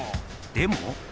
でも？